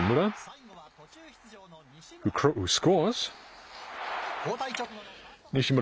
最後は途中出場の西村。